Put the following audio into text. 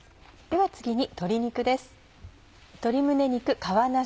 では次に鶏肉です。